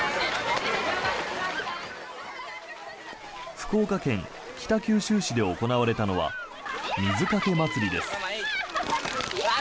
福岡県北九州市で行われたのは水かけ祭りです。